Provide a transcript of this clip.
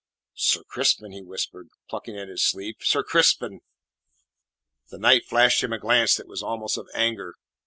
"Sir Crispin," he whispered, plucking at his sleeve; "Sir Crispin." The knight flashed him a glance that was almost of anger.